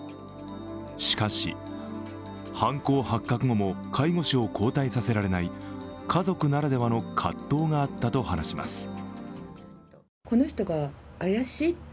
しかし、犯行発覚後も介護士を交代させられない家族ならではの葛藤があったと話します。